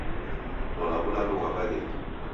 Lola w'ulalo ghwa w'aghenyi